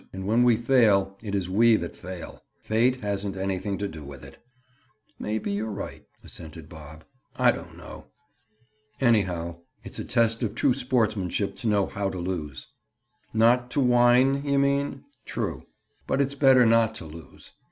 And when we fail, it is we that fail. Fate hasn't anything to do with it." "Maybe you're right," assented Bob. "I don't know. Anyhow, it's a test of true sportsmanship to know how to lose." "Not to whine, you mean? True. But it's better not to lose.